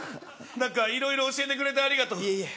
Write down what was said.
何か、いろいろ教えてくれてありがとう。